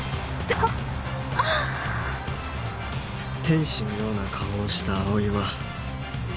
天使のような顔をした葵は